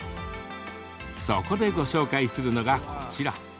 そこで、ご紹介するのがこちら。